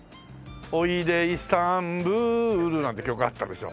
「おいでイスタンブール」なんて曲あったでしょ。